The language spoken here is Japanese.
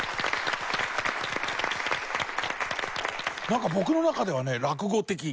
なんか僕の中ではね落語的！